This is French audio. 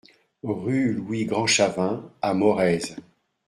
Rue Louis Grandchavin à Morez